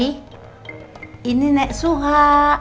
febri ini nek suha